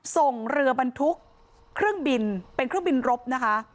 ส่งเรือบรรทุกเครื่องบินเป็นเครื่องบินรบนะคะ